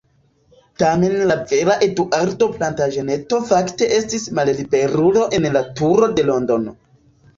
Tamen la vera Eduardo Plantaĝeneto fakte estis malliberulo en la Turo de Londono.